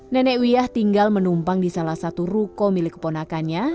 nenek wiyah tinggal menumpang di salah satu ruko milik keponakannya